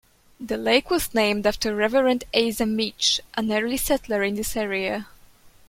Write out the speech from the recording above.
The lake was named after Reverend Asa Meech, an early settler in this area.